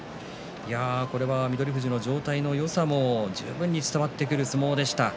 これは、翠富士の状態のよさも十分に伝わってくる相撲でした。